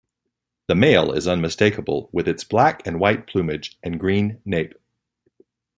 The male is unmistakable, with its black and white plumage and green nape.